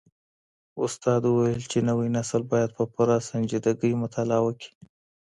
استاد وويل چي نوی نسل بايد په پوره سنجيدګۍ مطالعه وکړي.